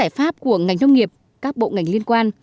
giải pháp của ngành nông nghiệp các bộ ngành liên quan